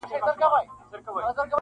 د ځنګله پاچا ته نوې دا ناره وه -